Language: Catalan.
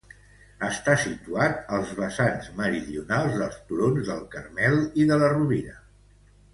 Està situat als vessants meridionals dels turons del Carmel i de la Rovira.